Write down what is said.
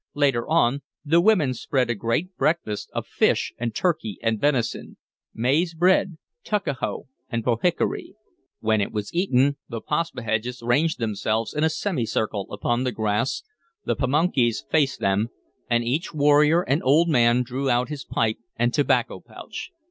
Later on, the women spread a great breakfast of fish and turkey and venison, maize bread, tuckahoe and pohickory. When it was eaten, the Paspaheghs ranged themselves in a semicircle upon the grass, the Pamunkeys faced them, and each warrior and old man drew out his pipe and tobacco pouch.